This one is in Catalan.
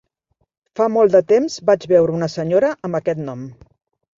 Fa molt de temps vaig veure una senyora amb aquest nom.